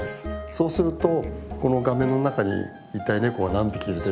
そうするとこの画面の中に一体ネコは何匹いるでしょう？